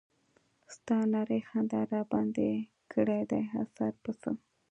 ستا نرۍ خندا راباندې کړے دے اثر پۀ څۀ